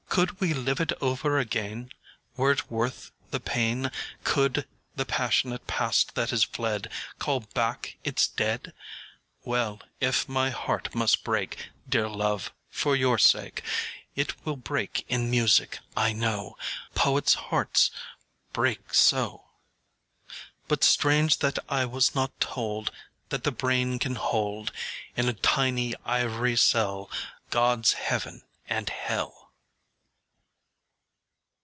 Could we live it over again, Were it worth the pain, Could the passionate past that is fled Call back its dead! Well, if my heart must break, Dear love, for your sake, It will break in music, I know, Poetsâ hearts break so. But strange that I was not told That the brain can hold In a tiny ivory cell Godâs heaven and hell.